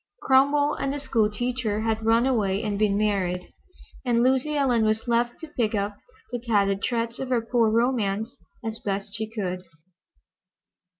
Cromwell and the school teacher had run away and been married, and Lucy Ellen was left to pick up the tattered shreds of her poor romance as best she could.